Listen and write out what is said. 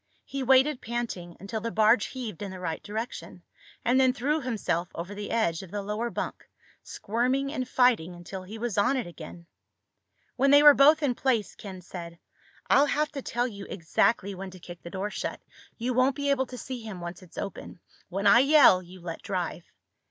He waited, panting, until the barge heaved in the right direction, and then threw himself over the edge of the lower bunk, squirming and fighting until he was on it again. When they were both in place, Ken said, "I'll have to tell you exactly when to kick the door shut. You won't be able to see him, once it's open. When I yell, you let drive."